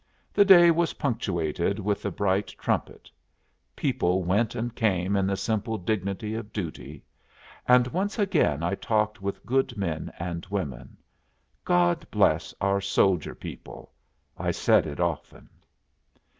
The day was punctuated with the bright trumpet, people went and came in the simple dignity of duty, and once again I talked with good men and women. God bless our soldier people! I said it often.